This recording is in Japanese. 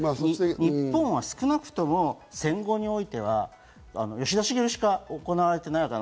日本は少なくとも戦後においては、吉田茂しか行われてないわけ。